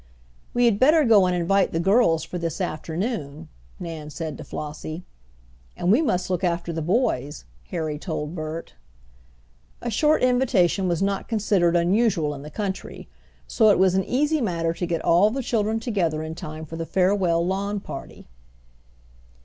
"We had better go and invite the girls for this afternoon," Nan said to Flossie. "And we must look after the boys," Harry told Bert. A short invitation was not considered unusual in the country, so it was an easy matter to get all the children together in time for the farewell lawn party.